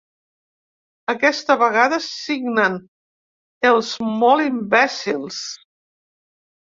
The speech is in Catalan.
Aquesta vegada signen, els molt imbècils.